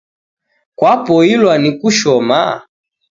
Kwapoilwa ni kushoma?